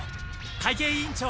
会計委員長